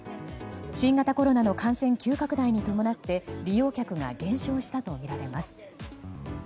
新型コロナの感染急拡大に伴って利用客が減少したとみられます。